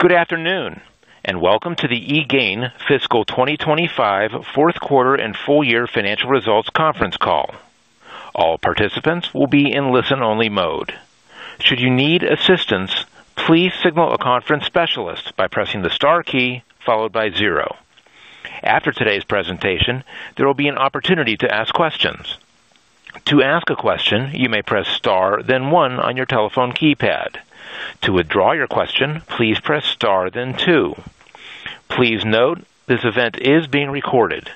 Good afternoon and welcome to the eGain Fiscal 2025 Fourth Quarter and Full-year Financial Results Conference Call. All participants will be in listen-only mode. Should you need assistance, please signal a conference specialist by pressing the star key followed by zero. After today's presentation, there will be an opportunity to ask questions. To ask a question, you may press star then one on your telephone keypad. To withdraw your question, please press star then two. Please note this event is being recorded.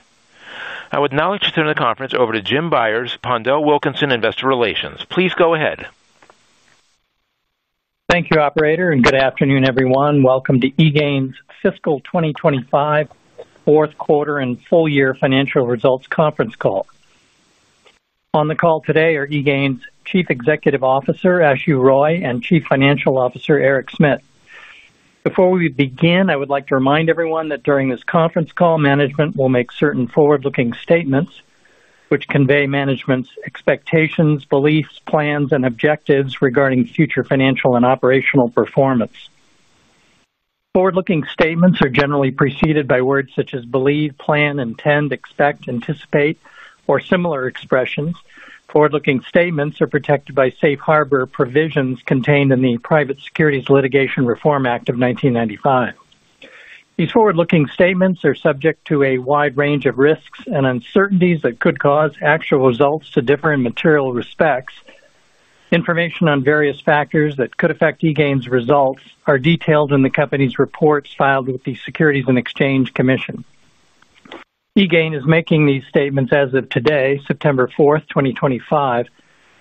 I would now like to turn the conference over to Jim Byers, PondelWilkinson Investor Relations. Please go ahead. Thank you, Operator, and good afternoon, everyone. Welcome to eGain 's Fiscal 2025 Fourth Quarter and Full-year Financial Results Conference Call. On the call today are eGain 's Chief Executive Officer, Ashu Roy, and Chief Financial Officer, Eric Smit. Before we begin, I would like to remind everyone that during this conference call, management will make certain forward-looking statements, which convey management's expectations, beliefs, plans, and objectives regarding future financial and operational performance. Forward-looking statements are generally preceded by words such as believe, plan, intend, expect, anticipate, or similar expressions. Forward-looking statements are protected by safe harbor provisions contained in the Private Securities Litigation Reform Act of 1995. These forward-looking statements are subject to a wide range of risks and uncertainties that could cause actual results to differ in material respects. Information on various factors that could affect eGain 's results are detailed in the company's reports filed with the Securities and Exchange Commission. eGain is making these statements as of today, September 4th, 2025,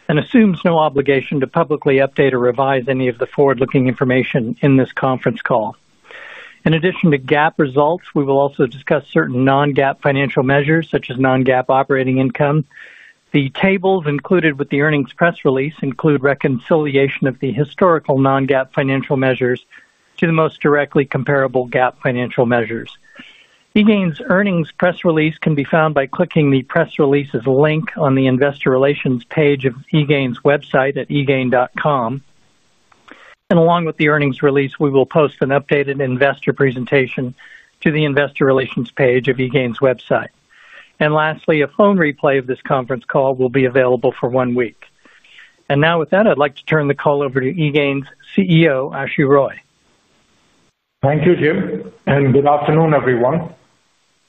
and assumes no obligation to publicly update or revise any of the forward-looking information in this conference call. In addition to GAAP results, we will also discuss certain non-GAAP financial measures, such as non-GAAP operating income. The tables included with the earnings press release include reconciliation of the historical non-GAAP financial measures to the most directly comparable GAAP financial measures. eGain 's earnings press release can be found by clicking the press release's link on the investor relations page of eGain 's website at egain.com. Along with the earnings release, we will post an updated investor presentation to the investor relations page of eGain 's website. Lastly, a phone replay of this conference call will be available for one week. With that, I'd like to turn the call over to eGain 's CEO, Ashu Roy. Thank you, Jim, and good afternoon, everyone.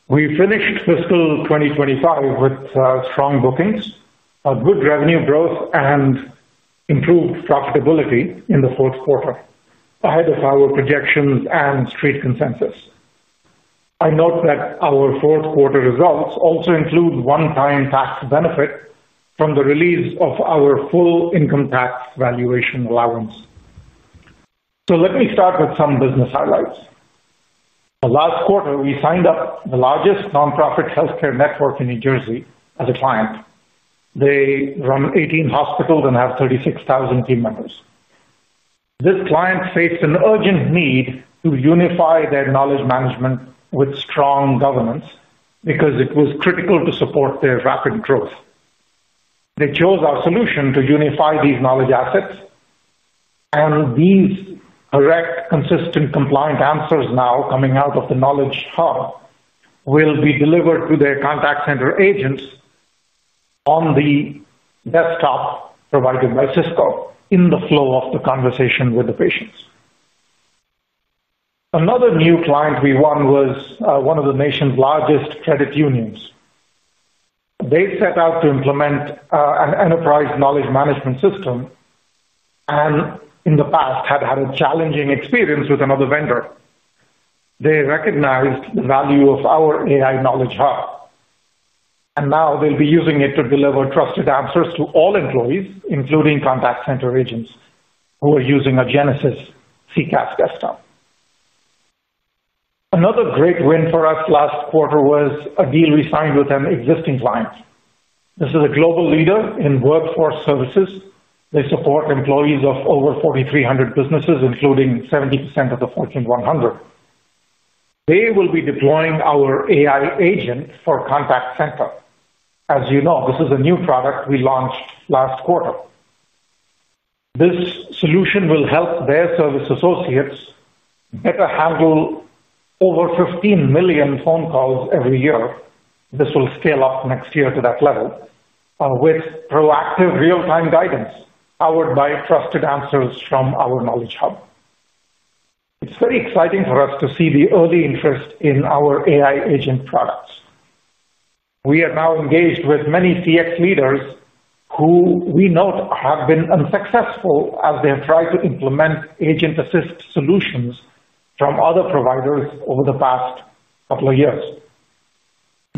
We finished fiscal 2025 with strong bookings, good revenue growth, and improved profitability in the fourth quarter, ahead of our projections and street consensus. I note that our fourth quarter results also include a one-time tax benefit from the release of our full income tax valuation allowance. Let me start with some business highlights. Last quarter, we signed up the largest nonprofit healthcare network in New Jersey as a client. They run 18 hospitals and have 36,000 team members. This client faced an urgent need to unify their knowledge management with strong governance because it was critical to support their rapid growth. They chose our solution to unify these knowledge assets, and these direct, consistent, compliant answers now coming out of the Knowledge Hub will be delivered to their contact center agents on the desktop provided by Cisco in the flow of the conversation with the patients. Another new client we won was one of the nation's largest credit unions. They set out to implement an enterprise knowledge management system and in the past had had a challenging experience with another vendor. They recognized the value of our AI Knowledge Hub, and now they'll be using it to deliver trusted answers to all employees, including contact center agents who are using a Genesys CCaaS desktop. Another great win for us last quarter was a deal we signed with an existing client. This is a global leader in workforce services. They support employees of over 4,300 businesses, including 70% of the Fortune 100. They will be deploying our AI Agent for contact center. As you know, this is a new product we launched last quarter. This solution will help their service associates better handle over 15 million phone calls every year. This will scale up next year to that level with proactive real-time guidance powered by trusted answers from our Knowledge Hub. It's very exciting for us to see the early interest in our AI Agent products. We are now engaged with many CX leaders who we note have been unsuccessful as they have tried to implement agent-assist solutions from other providers over the past couple of years.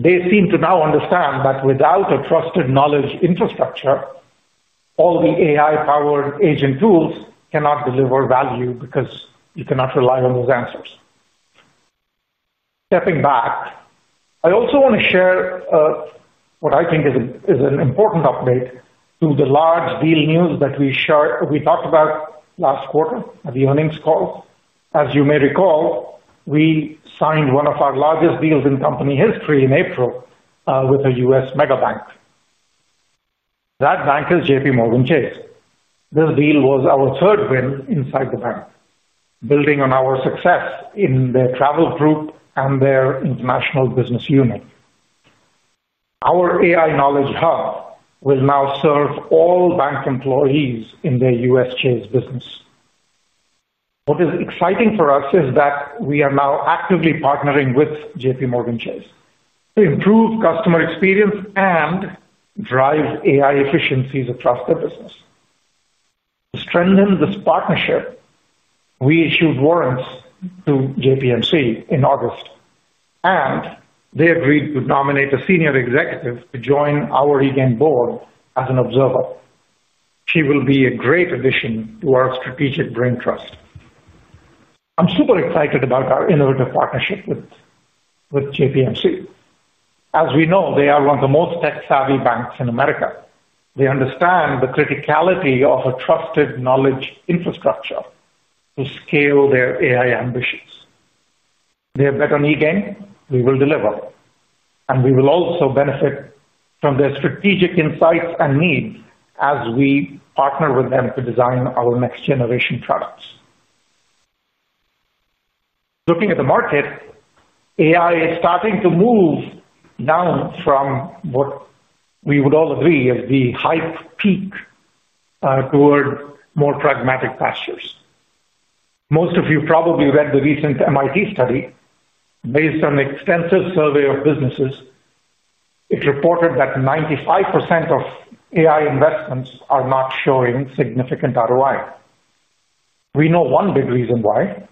They seem to now understand that without a trusted knowledge infrastructure, all the AI-powered agent tools cannot deliver value because you cannot rely on those answers. Stepping back, I also want to share what I think is an important update to the large deal news that we shared, we talked about last quarter at the earnings calls. As you may recall, we signed one of our largest deals in company history in April with a U.S. mega bank. That bank is JPMorgan Chase. This deal was our third win inside the bank, building on our success in their travel group and their international business unit. Our AI Knowledge Hub will now serve all bank employees in their U.S. Chase business. What is exciting for us is that we are now actively partnering with JPMorgan Chase to improve customer experience and drive AI efficiencies across their business. To strengthen this partnership, we issued warrants to JPMC in August, and they agreed to nominate a Senior Executive to join our eGain board as an observer. He will be a great addition to our strategic brain trust. I'm super excited about our innovative partnership with JPMC . As we know, they are one of the most tech-savvy banks in America. They understand the criticality of a trusted knowledge infrastructure to scale their AI ambitions. They bet on eGain. We will deliver, and we will also benefit from their strategic insights and needs as we partner with them to design our next-generation products. Looking at the market, AI is starting to move down from what we would all agree is the hype peak toward more pragmatic pastures. Most of you probably read the recent MIT study. Based on an extensive survey of businesses, it reported that 95% of AI investments are not showing significant ROI. We know one big reason why.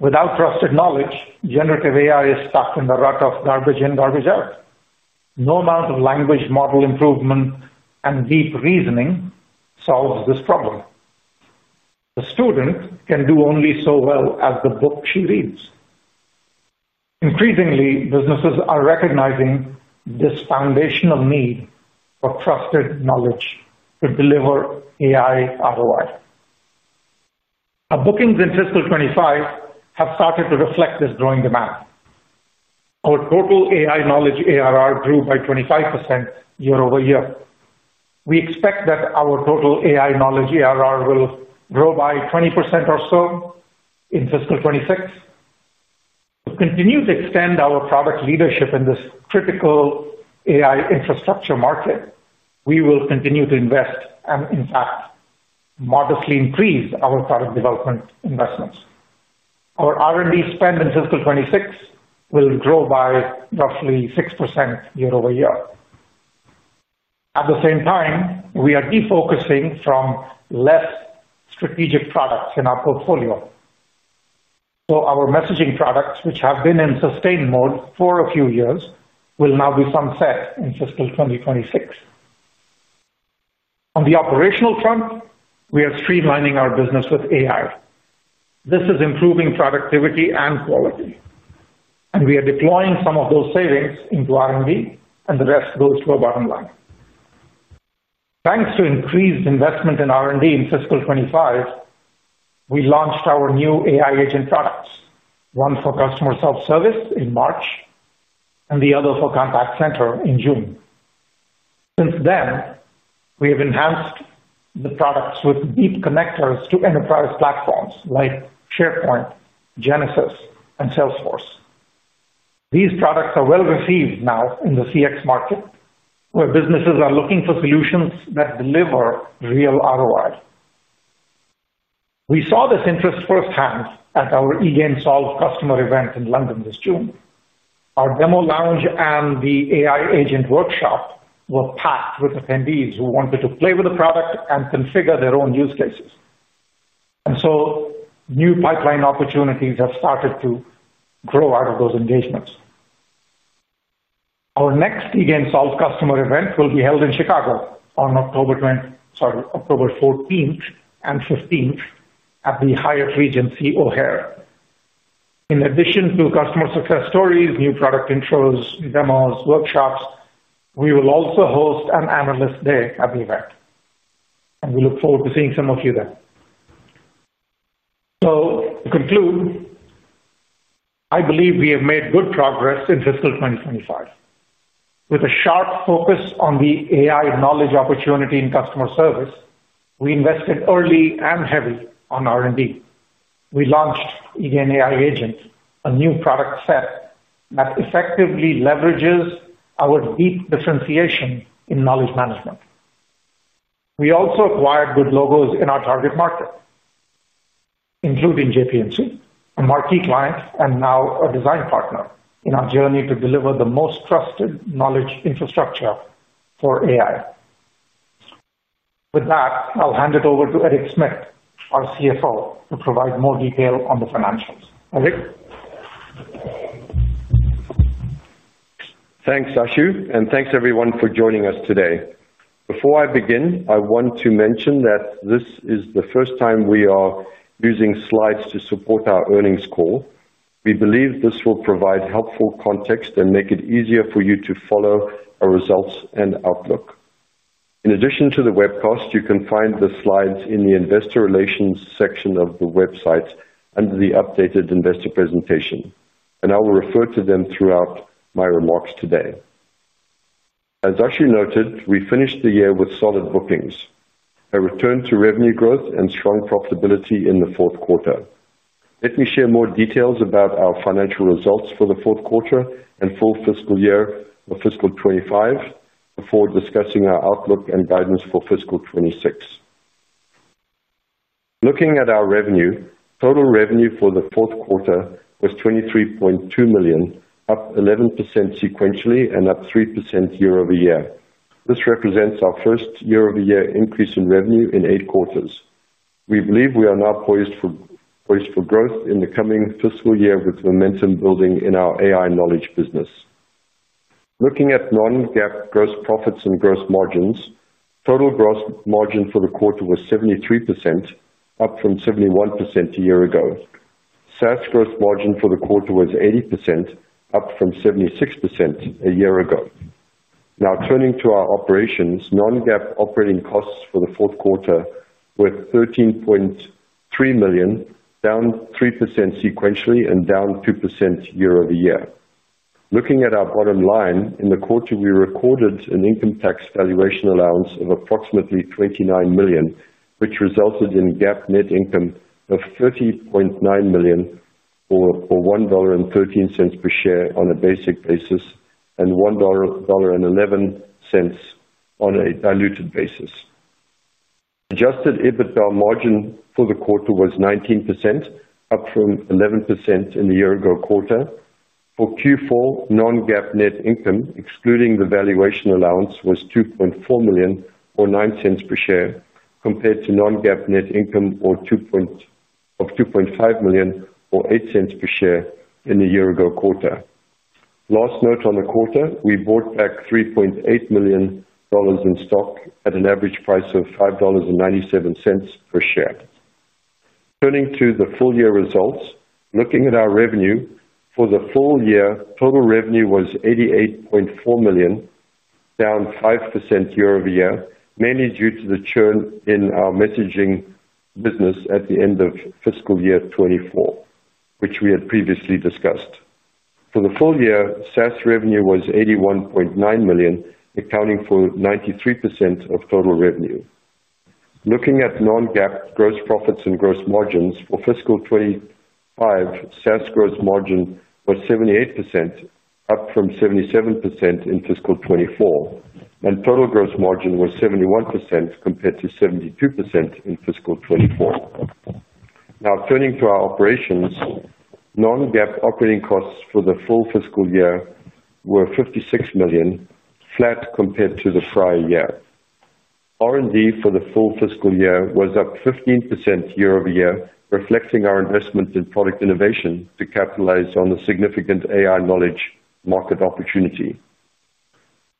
Without trusted knowledge, generative AI is stuck in the rut of garbage in, garbage out. No amount of language model improvement and deep reasoning solves this problem. A student can do only so well as the book she reads. Increasingly, businesses are recognizing this foundational need for trusted knowledge to deliver AI ROI. Our bookings in fiscal 2025 have started to reflect this growing demand. Our total AI knowledge ARR grew by 25% year-over-year. We expect that our total AI knowledge ARR will grow by 20% or so in fiscal 2026. To continue to extend our product leadership in this critical AI infrastructure market, we will continue to invest and, in fact, modestly increase our product development investments. Our R&D spend in fiscal 2026 will grow by roughly 6% year-over-year. At the same time, we are defocusing from less strategic products in our portfolio. Our messaging products, which have been in sustained mode for a few years, will now be sunset in fiscal 2026. On the operational front, we are streamlining our business with AI. This is improving productivity and quality, and we are deploying some of those savings into R&D, and the rest goes to the bottom line. Thanks to increased investment in R&D in fiscal 2025, we launched our new AI Agent products, one for customer self-service in March and the other for contact centers in June. Since then, we have enhanced the products with deep connectors to enterprise platforms like SharePoint, Genesys, and Salesforce. These products are well received now in the CX market, where businesses are looking for solutions that deliver real ROI. We saw this interest firsthand at our eGain Solve customer event in London this June. Our demo lounge and the AI Agent workshop were packed with attendees who wanted to play with the product and configure their own use cases. New pipeline opportunities have started to grow out of those engagements. Our next eGain Solve customer event will be held in Chicago on October 14th and 15th at the Hyatt Regency O'Hare. In addition to customer success stories, new product intros, demos, and workshops, we will also host an Analyst Day at the event. We look forward to seeing some of you there. To conclude, I believe we have made good progress in fiscal 2025. With a sharp focus on the AI knowledge opportunity in customer service, we invested early and heavily in R&D. We launched eGain AI Agent, a new product set that effectively leverages our deep differentiation in knowledge management. We also acquired good logos in our target market, including JPMC, a marquee client and now a design partner in our journey to deliver the most trusted knowledge infrastructure for AI. With that, I'll hand it over to Eric Smit, our CFO, to provide more detail on the financials. Eric. Thanks, Ashu, and thanks everyone for joining us today. Before I begin, I want to mention that this is the first time we are using slides to support our earnings call. We believe this will provide helpful context and make it easier for you to follow our results and outlook. In addition to the webcast, you can find the slides in the investor relations section of the website under the updated investor presentation, and I will refer to them throughout my remarks today. As Ashu noted, we finished the year with solid bookings, a return to revenue growth, and strong profitability in the fourth quarter. Let me share more details about our financial results for the fourth quarter and full fiscal year for fiscal 2025 before discussing our outlook and guidance for fiscal 2026. Looking at our revenue, total revenue for the fourth quarter was $23.2 million, up 11% sequentially and up 3% year-over-year. This represents our first year-over-year increase in revenue in eight quarters. We believe we are now poised for growth in the coming fiscal year with momentum building in our AI knowledge business. Looking at non-GAAP gross profits and gross margins, total gross margin for the quarter was 73%, up from 71% a year ago. Sales gross margin for the quarter was 80%, up from 76% a year ago. Now turning to our operations, non-GAAP operating costs for the fourth quarter were $13.3 million, down 3% sequentially and down 2% year-over-year. Looking at our bottom line, in the quarter we recorded an income tax valuation allowance of approximately $29 million, which resulted in GAAP net income of $30.9 million for $1.13 per share on a basic basis and $1.11 on a diluted basis. Adjusted EBITDA margin for the quarter was 19%, up from 11% in the year-ago quarter. For Q4, non-GAAP net income, excluding the valuation allowance, was $2.4 million or $0.09 per share compared to non-GAAP net income of $2.5 million or $0.08 per share in the year-ago quarter. Last note on the quarter, we brought back $3.8 million in stock at an average price of $5.97 per share. Turning to the full-year results, looking at our revenue for the full year, total revenue was $88.4 million, down 5% year-over-year, mainly due to the churn in our messaging business at the end of fiscal year 2024, which we had previously discussed. For the full year, sales revenue was $81.9 million, accounting for 93% of total revenue. Looking at non-GAAP gross profits and gross margins for fiscal 2025, sales gross margin was 78%, up from 77% in fiscal 2024, and total gross margin was 71% compared to 72% in fiscal 2024. Now turning to our operations, non-GAAP operating costs for the full fiscal year were $56 million, flat compared to the prior year. R&D for the full fiscal year was up 15% year-over-year, reflecting our investment in product innovation to capitalize on the significant AI knowledge market opportunity.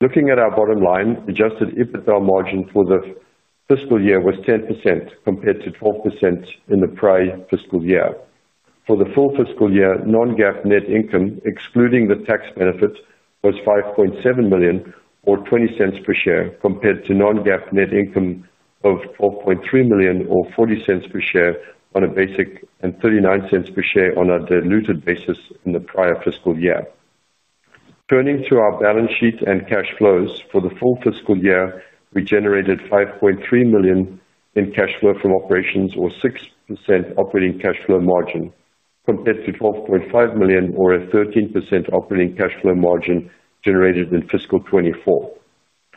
Looking at our bottom line, adjusted EBITDA margin for the fiscal year was 10% compared to 12% in the prior fiscal year. For the full fiscal year, non-GAAP net income, excluding the tax benefit, was $5.7 million or $0.20 per share compared to non-GAAP net income of $4.3 million or $0.40 per share on a basic and $0.39 per share on a diluted basis in the prior fiscal year. Turning to our balance sheet and cash flows, for the full fiscal year, we generated $5.3 million in cash flow from operations or 6% operating cash flow margin compared to $12.5 million or a 13% operating cash flow margin generated in fiscal 2024.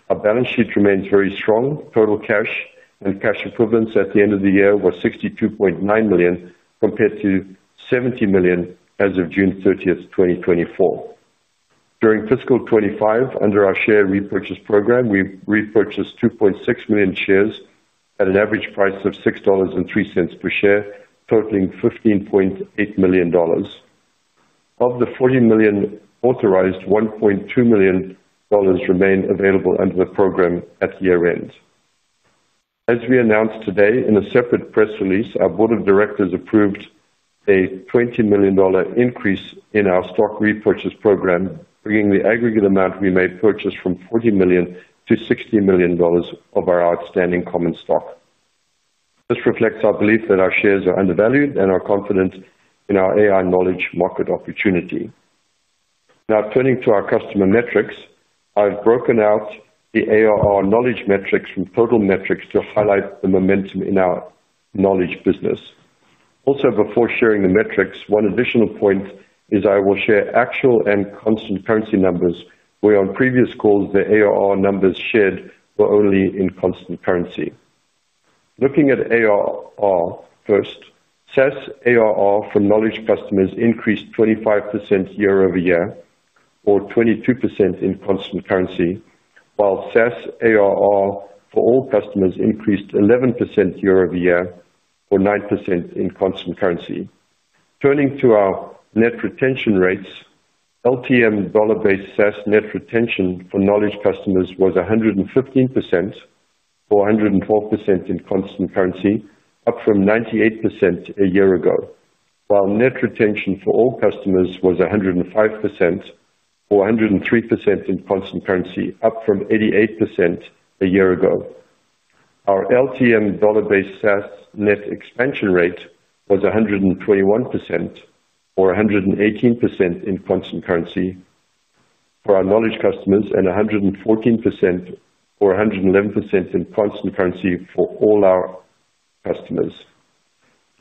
Our balance sheet remains very strong. Total cash and cash equivalents at the end of the year were $62.9 million compared to $70 million as of June 30, 2024. During fiscal 2025, under our share repurchase program, we repurchased 2.6 million shares at an average price of $6.03 per share, totaling $15.8 million. Of the $40 million authorized, $1.2 million remain available under the program at year end. As we announced today in a separate press release, our Board of Directors approved a $20 million increase in our stock repurchase program, bringing the aggregate amount we may purchase from $40 million to $60 million of our outstanding common stock. This reflects our belief that our shares are undervalued and we are confident in our AI knowledge market opportunity. Now turning to our customer metrics, I've broken out the ARR knowledge metrics from total metrics to highlight the momentum in our knowledge business. Also, before sharing the metrics, one additional point is I will share actual and constant currency numbers, where on previous calls, the ARR numbers shared were only in constant currency. Looking at ARR first, sales ARR for knowledge customers increased 25% year-over-year, or 22% in constant currency, while sales ARR for all customers increased 11% year-over-year, or 9% in constant currency. Turning to our net retention rates, LTM dollar-based sales net retention for knowledge customers was 115% or 104% in constant currency, up from 98% a year ago, while net retention for all customers was 105% or 103% in constant currency, up from 88% a year ago. Our LTM dollar-based sales net expansion rate was 121% or 118% in constant currency for our knowledge customers and 114% or 111% in constant currency for all our customers.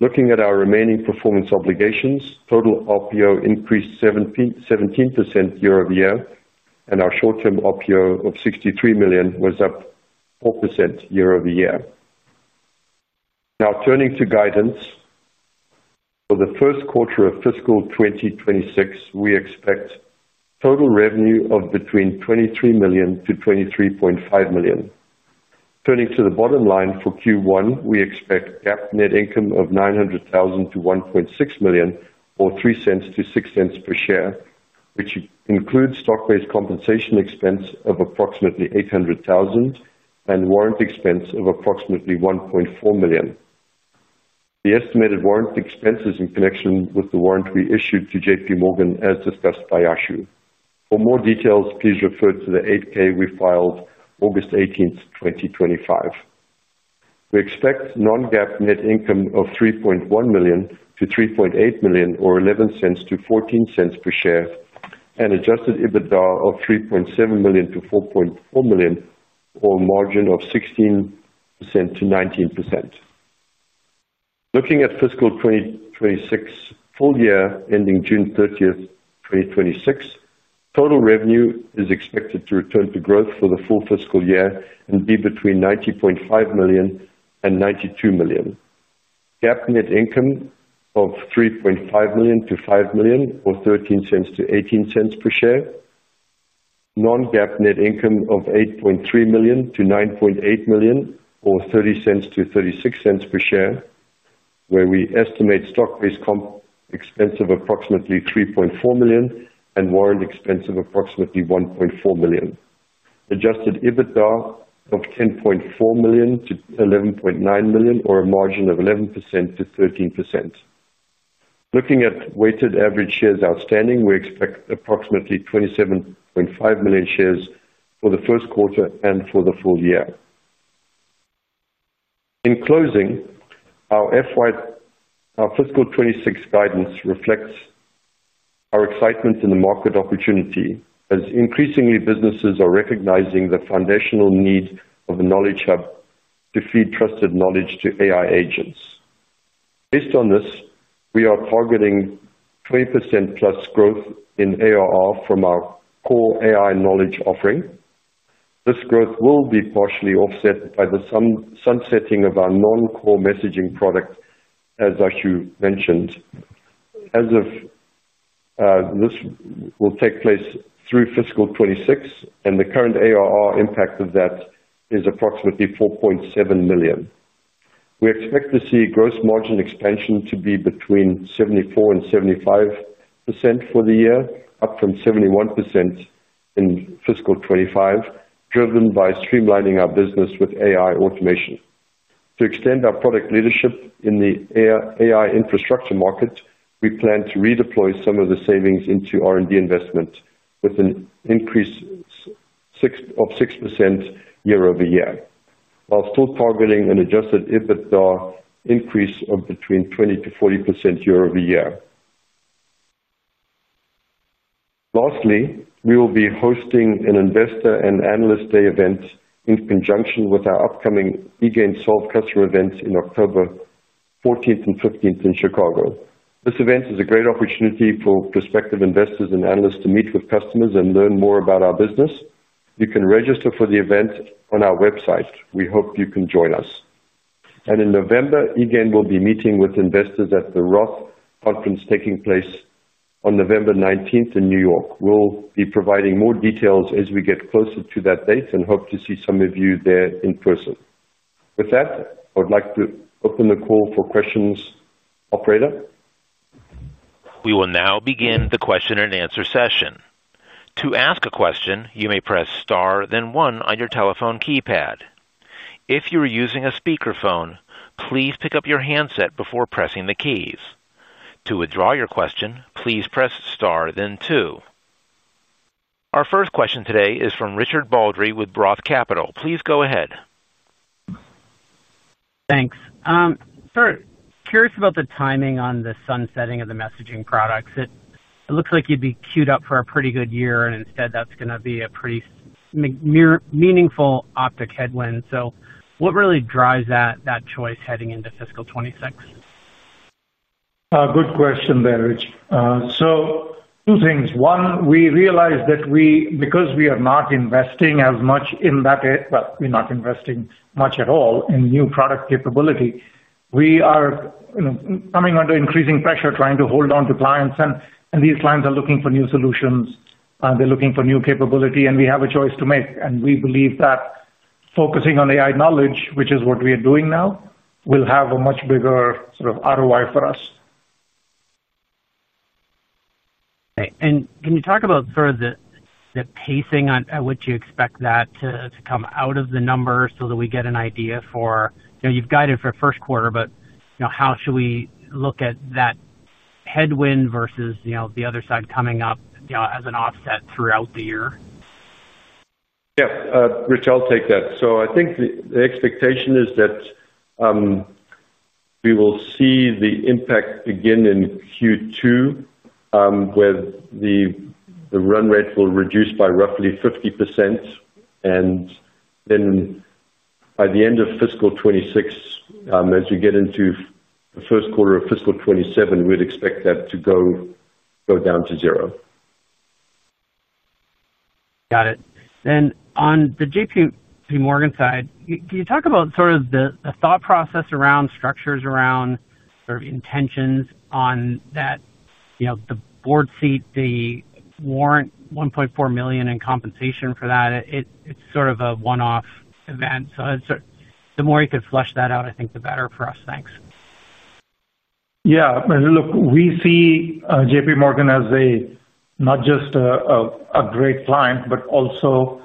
Looking at our remaining performance obligations, total RPO increased 17% year-over-year, and our short-term RPO of $63 million was up 4% year-over-year. Now turning to guidance, for the first quarter of fiscal 2026, we expect total revenue of between $23 million - $23.5 million. Turning to the bottom line for Q1, we expect GAAP net income of $900,000- $1.6 million or $0.03 - 0.06 per share, which includes stock-based compensation expense of approximately $800,000 and warrant expense of approximately $1.4 million. The estimated warrant expense is in connection with the warrant we issued to JPMorgan as discussed by Ashu. For more details, please refer to the 8K we filed August 18th, 2025. We expect non-GAAP net income of $3.1 million - $3.8 million or $0.11 -$ 0.14 per share and adjusted EBITDA of $3.7 million - $4.4 million or a margin of 16% - 19%. Looking at fiscal 2026 full year ending June 30th, 2026, total revenue is expected to return to growth for the full fiscal year and be between $90.5 million and $92 million. GAAP net income of $3.5 million - $5 million or $0.13 - $0.18 per share. Non-GAAP net income of $8.3 million - $9.8 million or $0.30 - $0.36 per share, where we estimate stock-based comp expense of approximately $3.4 million and warrant expense of approximately $1.4 million. Adjusted EBITDA of $10.4 million - $11.9 million or a margin of 11% - 13%. Looking at weighted average shares outstanding, we expect approximately 27.5 million shares for the first quarter and for the full year. In closing, our fiscal 2026 guidance reflects our excitement in the market opportunity as increasingly businesses are recognizing the foundational need of the Knowledge Hub to feed trusted knowledge to AI Agents. Based on this, we are targeting 20% + growth in ARR from our core AI knowledge offering. This growth will be partially offset by the sunsetting of our non-core messaging product, as Ashu mentioned. As this will take place through fiscal 2026, and the current ARR impact of that is approximately $4.7 million. We expect to see gross margin expansion to be between 74% and 75% for the year, up from 71% in fiscal 2025, driven by streamlining our business with AI automation. To extend our product leadership in the AI infrastructure market, we plan to redeploy some of the savings into R&D investment with an increase of 6% year-over-year, while still targeting an adjusted EBITDA increase of between 20% - 40% year-over-year. Lastly, we will be hosting an Investor and Analyst Day event in conjunction with our upcoming eGain Solve customer events on October 14th and 15th in Chicago. This event is a great opportunity for prospective investors and analysts to meet with customers and learn more about our business. You can register for the event on our website. We hope you can join us. In November, eGain will be meeting with investors at the Roth Conference taking place on November 19th in New York. We'll be providing more details as we get closer to that date and hope to see some of you there in person. With that, I would like to open the call for questions. Operator? We will now begin the question and answer session. To ask a question, you may press star then one on your telephone keypad. If you are using a speakerphone, please pick up your handset before pressing the keys. To withdraw your question, please press star then two. Our first question today is from Richard Baldry with Roth Capital. Please go ahead. Thanks. Curious about the timing on the sunsetting of the messaging products. It looks like you'd be queued up for a pretty good year, and instead, that's going to be a pretty meaningful optic headwind. What really drives that choice heading into fiscal 2026? Good question there, Rich. Two things. One, we realized that because we are not investing as much in that, we are not investing much at all in new product capability. We are coming under increasing pressure trying to hold on to clients, and these clients are looking for new solutions. They're looking for new capability, and we have a choice to make. We believe that focusing on AI knowledge, which is what we are doing now, will have a much bigger sort of ROI for us. Can you talk about sort of the pacing on what you expect that to come out of the numbers so that we get an idea for, you know, you've guided for first quarter, but you know how should we look at that headwind versus the other side coming up as an offset throughout the year? Yeah, Rich, I'll take that. I think the expectation is that we will see the impact begin in Q2, where the run rate will reduce by roughly 50%. By the end of fiscal 2026, as we get into the first quarter of fiscal 2027, we'd expect that to go down to zero. Got it. On the JPMorgan side, can you talk about the thought process around structures, around intentions on that, you know the board seat, the warrant, $1.4 million in compensation for that? It's sort of a one-off event. The more you could flesh that out, I think the better for us. Thanks. Yeah, I mean, look, we see JPMorgan as not just a great client, but also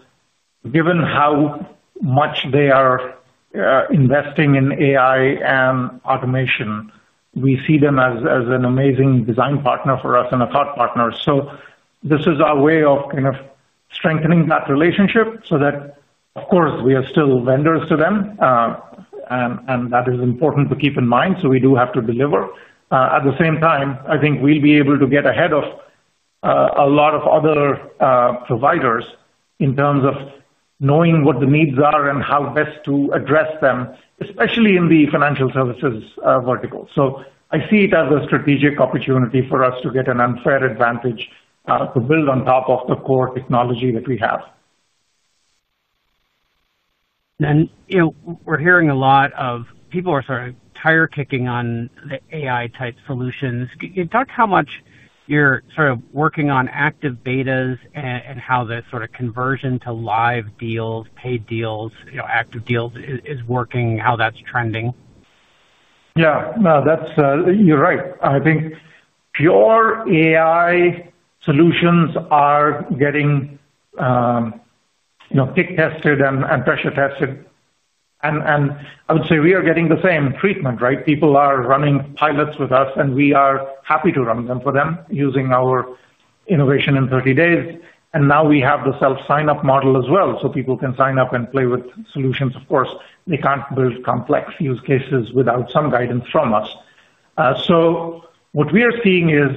given how much they are investing in AI and automation, we see them as an amazing design partner for us and a thought partner. This is our way of kind of strengthening that relationship so that, of course, we are still vendors to them. That is important to keep in mind. We do have to deliver. At the same time, I think we'll be able to get ahead of a lot of other providers in terms of knowing what the needs are and how best to address them, especially in the financial services vertical. I see it as a strategic opportunity for us to get an unfair advantage to build on top of the core technology that we have. We're hearing a lot of people are sort of tire-kicking on the AI-type solutions. Can you talk how much you're sort of working on active betas and how the sort of conversion to live deals, paid deals, active deals is working, how that's trending? Yeah, no, that's, you're right. I think pure AI solutions are getting, you know, kick-tested and pressure-tested. I would say we are getting the same treatment, right? People are running pilots with us, and we are happy to run them for them using our innovation in 30 days. Now we have the self-sign-up model as well, so people can sign up and play with solutions. Of course, they can't build complex use cases without some guidance from us. What we are seeing is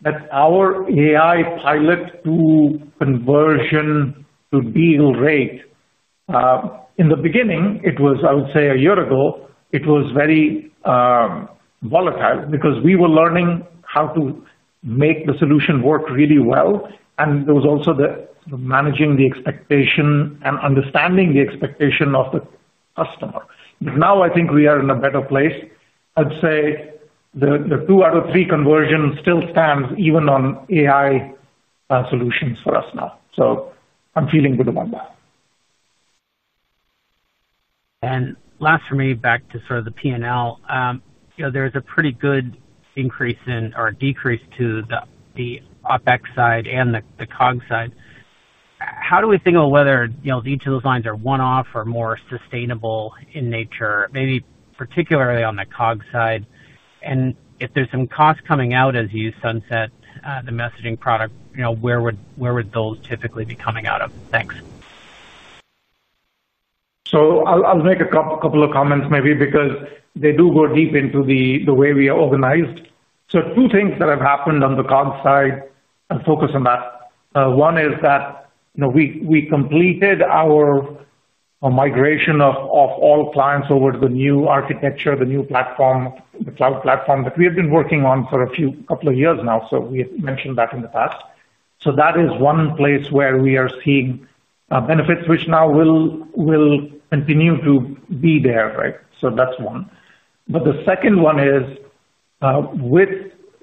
that our AI pilot to conversion to deal rate, in the beginning, I would say a year ago, it was very volatile because we were learning how to make the solution work really well. There was also managing the expectation and understanding the expectation of the customer. Now I think we are in a better place. I'd say the two out of three conversion still stands even on AI solutions for us now. I'm feeling good about that. Last for me, back to sort of the P&L, you know there's a pretty good increase in or decrease to the OpEx side and the COG side. How do we think about whether each of those lines are one-off or more sustainable in nature, maybe particularly on the COG side? If there's some cost coming out as you sunset the messaging product, you know where would those typically be coming out of? Thanks. I'll make a couple of comments maybe because they do go deep into the way we are organized. Two things have happened on the COG side, I'll focus on that. One is that we completed our migration of all clients over to the new architecture, the new platform, the cloud platform that we have been working on for a few years now. We mentioned that in the past. That is one in place where we are seeing benefits, which now will continue to be there, right? That's one. The second one is, with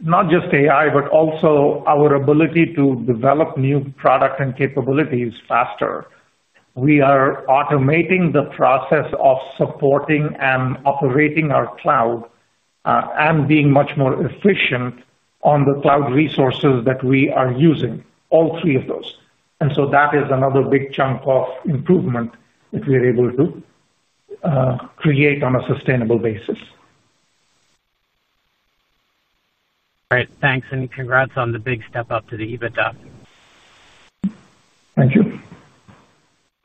not just AI, but also our ability to develop new product and capabilities faster, we are automating the process of supporting and operating our cloud, and being much more efficient on the cloud resources that we are using, all three of those. That is another big chunk of improvement that we are able to create on a sustainable basis. Great. Thanks. Congrats on the big step up to the EBITDA. Thank you.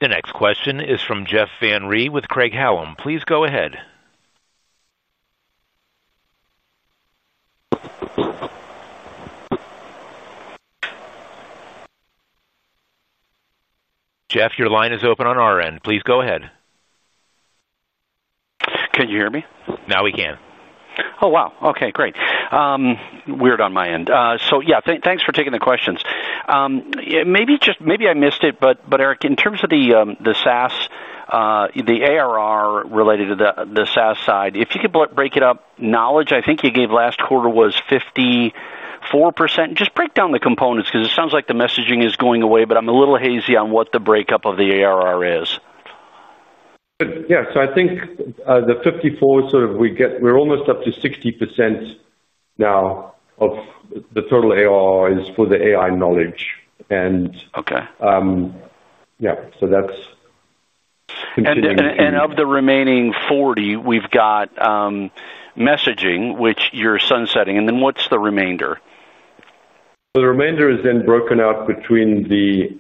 The next question is from Jeff Van Rhee with Craig-Hallum. Please go ahead. Jeff, your line is open on our end. Please go ahead. Can you hear me? Now we can. Oh, wow. Okay, great. Weird on my end. Thanks for taking the questions. Maybe I missed it, but Eric, in terms of the SaaS, the ARR related to the SaaS side, if you could break it up, knowledge, I think you gave last quarter was 54%. Just break down the components because it sounds like the messaging is going away, but I'm a little hazy on what the breakup of the ARR is. Yeah, I think the 54%, we're almost up to 60% now of the total ARR is for the AI knowledge. That's considered. Of the remaining 40%, we've got messaging, which you're sunsetting. What's the remainder? The remainder is then broken up between the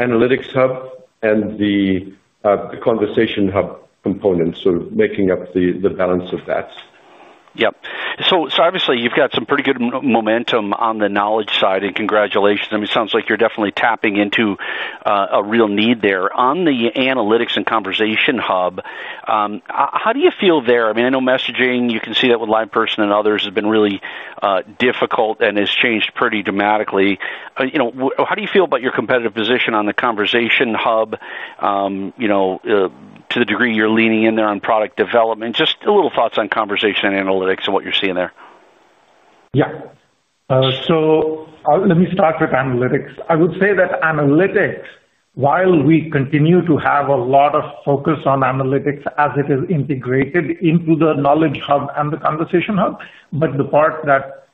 Analytics Hub and the Conversation Hub components, making up the balance of that. Yep. Obviously, you've got some pretty good momentum on the knowledge side, and congratulations. I mean, it sounds like you're definitely tapping into a real need there. On the Analytics and Conversation Hub, how do you feel there? I know messaging, you can see that with LivePerson and others, has been really difficult and has changed pretty dramatically. How do you feel about your competitive position on the Conversation Hub, to the degree you're leaning in there on product development? Just a little thoughts on Conversation and Analytics and what you're seeing there. Yeah. Let me start with Analytics. I would say that Analytics, while we continue to have a lot of focus on Analytics as it is integrated into the Knowledge Hub and the Conversation Hub, the part that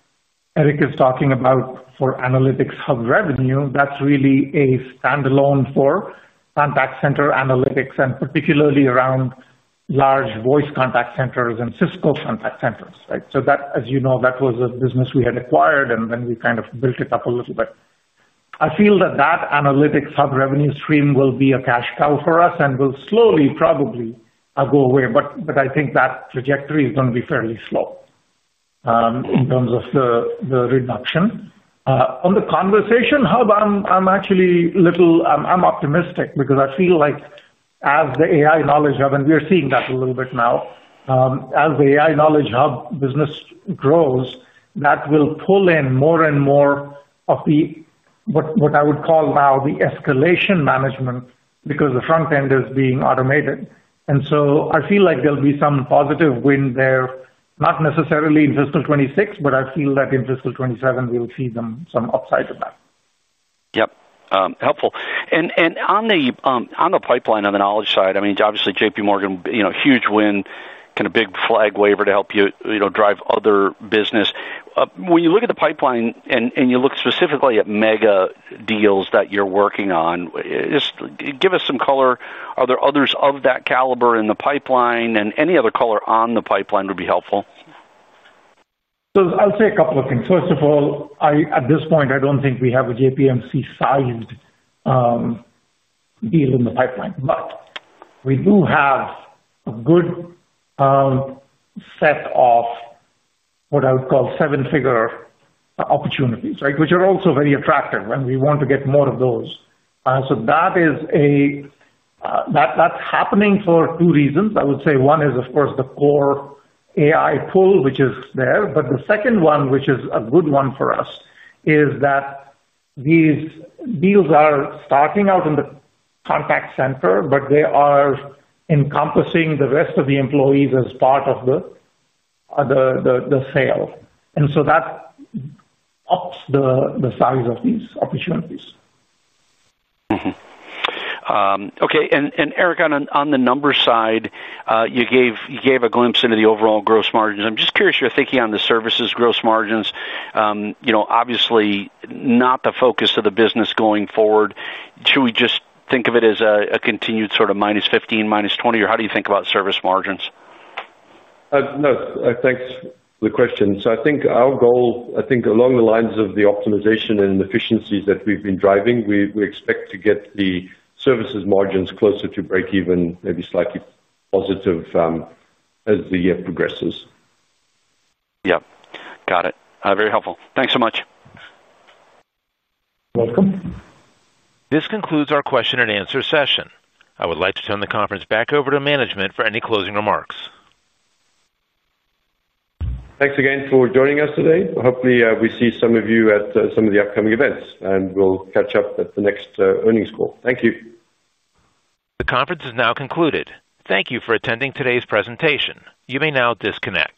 Eric is talking about for Analytics Hub revenue, that's really a standalone for contact center Analytics and particularly around large voice contact centers and Cisco contact centers, right? That was a business we had acquired and then we kind of built it up a little bit. I feel that Analytics Hub revenue stream will be a cash cow for us and will slowly probably go away. I think that trajectory is going to be fairly slow in terms of the reduction. On the Conversation Hub, I'm actually a little, I'm optimistic because I feel like as the AI Knowledge Hub, and we are seeing that a little bit now, as the AI Knowledge Hub business grows, that will pull in more and more of what I would call now the escalation management because the front end is being automated. I feel like there'll be some positive win there, not necessarily in fiscal 2026, but I feel that in fiscal 2027, we'll see some upside in that. Helpful. On the pipeline on the knowledge side, obviously, JPMorgan, you know, huge win, kind of big flag waver to help you, you know, drive other business. When you look at the pipeline and you look specifically at mega deals that you're working on, just give us some color. Are there others of that caliber in the pipeline and any other color on the pipeline would be helpful? I'll say a couple of things. First of all, at this point, I don't think we have a JPMC -sized deal in the pipeline. We do have a good set of what I would call seven-figure opportunities, which are also very attractive, and we want to get more of those. That is happening for two reasons. I would say one is, of course, the core AI pool, which is there. The second one, which is a good one for us, is that these deals are starting out in the contact center, but they are encompassing the rest of the employees as part of the sale, and that ups the size of these opportunities. Okay. Eric, on the numbers side, you gave a glimpse into the overall gross margins. I'm just curious, your thinking on the services gross margins, you know, obviously not the focus of the business going forward. Should we just think of it as a continued sort of - 15%, - 20%, or how do you think about service margins? No, thanks for the question. I think our goal, along the lines of the optimization and efficiencies that we've been driving, is we expect to get the services margins closer to break even, maybe slightly positive as the year progresses. Yeah, got it. Very helpful. Thanks so much. Welcome. This concludes our question and answer session. I would like to turn the conference back over to management for any closing remarks. Thanks again for joining us today. Hopefully, we see some of you at some of the upcoming events, and we'll catch up at the next earnings call. Thank you. The conference is now concluded. Thank you for attending today's presentation. You may now disconnect.